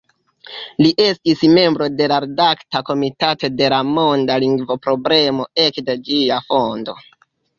Li estis membro de la redakta komitato de La Monda Lingvo-Problemo ekde ĝia fondo.